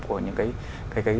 của những cái